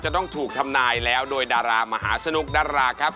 ต้องถูกทำนายแล้วโดยดารามหาสนุกดาราครับ